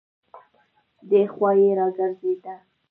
دی خوا يې راګرځېده.